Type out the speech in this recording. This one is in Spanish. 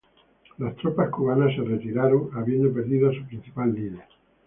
Las tropas cubanas se retiraron habiendo perdido a su principal líder.